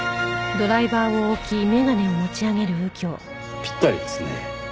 ぴったりですね。